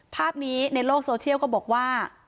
ภาพนี้ในโลกโซเชียลก็บอกว่า